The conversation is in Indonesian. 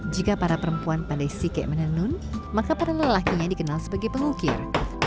jika para perempuan pandai sike menenun maka para lelakinya dikenal sebagai pengukir